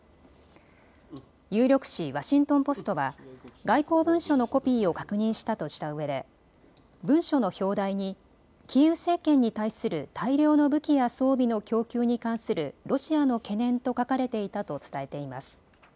有力紙、ワシントン・ポストは外交文書のコピーを確認したとしたうえで文書の表題にキーウ政権に対する大量の武器や装備の供給に関するロシアの懸念と書かれていたと伝えています。